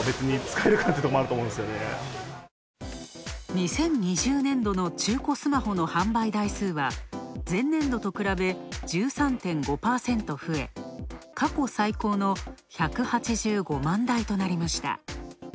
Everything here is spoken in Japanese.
２０２０年度の中古スマホの販売台数は、前年度と比べ、１３．５％増え、過去最高の１８５万台となりました。